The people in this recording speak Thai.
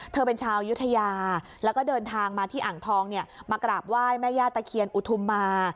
เธอเป็นชาวยุธยาแล้วก็เดินทางมาที่อ่างทองเนี่ยมากราบไหว้แม่ย่าตะเคียนอุทุมมา